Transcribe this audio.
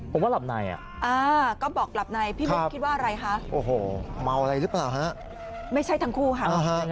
ผมว่าหลับในอ่ะก็บอกหลับในพี่บุ๊คคิดว่าอะไรคะโอ้โหเมาอะไรหรือเปล่าฮะไม่ใช่ทั้งคู่ค่ะ